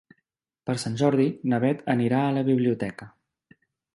Per Sant Jordi na Beth anirà a la biblioteca.